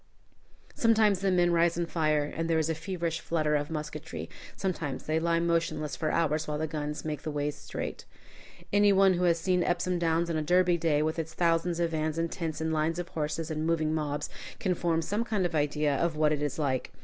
Sometimes the men rise and fire, and there is a feverish flutter of musketry; sometimes they lie motionless for hours while the guns make the ways straight. Any one who has seen Epsom Downs on a Derby day, with its thousands of vans and tents and lines of horses and moving mobs, can form some idea of what it is like.